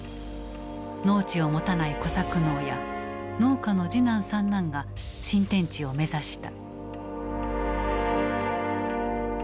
農地を持たない小作農や農家の次男三男が新天地を目指した。